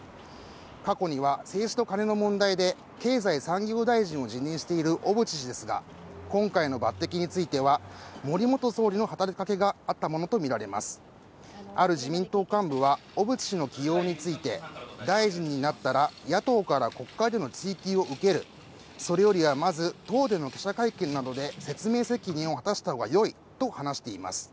過去には政治と金の問題で経済産業大臣を辞任している小渕氏ですが今回の抜擢については森元総理の働きかけがあったものと見られますある自民党幹部は小渕氏の起用について大臣になったら野党から国会での追及を受けるそれよりはまず党での記者会見などで説明責任を果たしたほうがよいと話しています